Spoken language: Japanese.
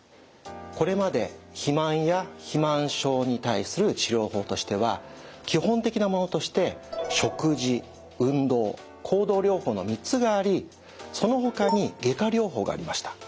これまで肥満や肥満症に対する治療法としては基本的なものとして食事運動行動療法の３つがありそのほかに外科療法がありました。